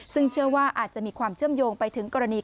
ซึ่งเชื่อว่าอาจจะมีความเชื่อมโยงไปถึงกรณี